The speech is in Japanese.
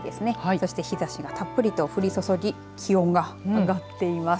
そして日ざしがたっぷりと降り注ぎ気温が上がっています。